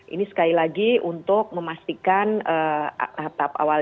ini sekali lagi untuk memastikan awal awal